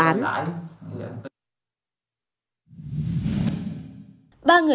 các cán bộ ngân hàng